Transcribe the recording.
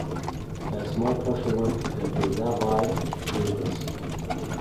A small portion went to Burnaby-Douglas.